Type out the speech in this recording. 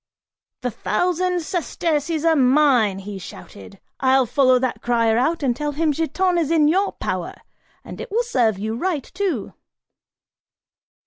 "The thousand sesterces are mine," he shouted, "I'll follow that crier out and tell him Giton is in your power, and it will serve you right, too!"